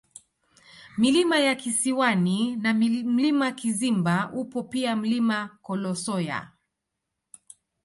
Milima ya Kisiwani na Mlima Kizimba upo pia Mlima Kolosoya